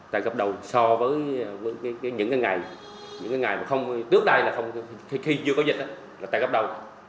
tăng gấp đầu so với những ngày trước đây là khi chưa có dịch là tăng gấp đầu